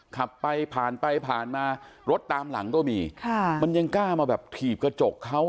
ขับไปผ่านไปผ่านมารถตามหลังก็มีค่ะมันยังกล้ามาแบบถีบกระจกเขา